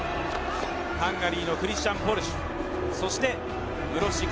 ハンガリーのクリスチャン・ポルシュ。